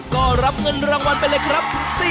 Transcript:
ก็รับเงินรางวัลไปเลยครับ